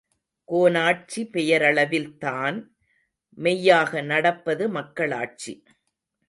கோனாட்சி பெயரளவில் தான், மெய்யாக நடப்பது மக்களாட்சி.